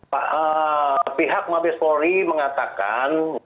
pihak mabes polri mengatakan